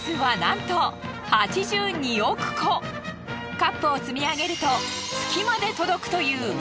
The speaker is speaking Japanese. カップを積み上げると月まで届くという。